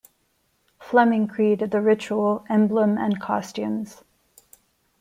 Fleming created the ritual, emblem and costumes.